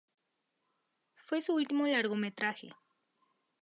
Fue su último largometraje.